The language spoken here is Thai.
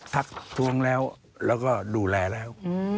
ทักทวงแล้วแล้วก็ดูแลแล้ว